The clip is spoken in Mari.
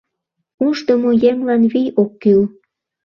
Ушдымо еҥлан вий ок кӱл.